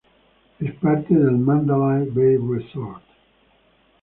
Es parte del Mandalay Bay Resort.